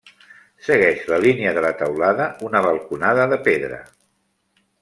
Segueix la línia de la teulada una balconada de pedra.